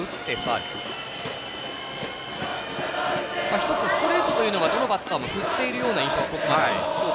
１つストレートというのはどのバッターも振っているような印象のここまで。